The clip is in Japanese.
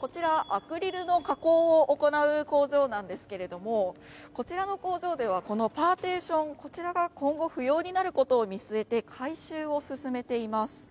こちらアクリルの加工を行う工場なんですがこちらの工場ではこのパーティションこちらが今後、不要になることを見据えて回収を進めています。